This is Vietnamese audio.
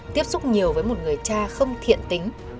tiếp xúc nhiều với một người cha không thiện tính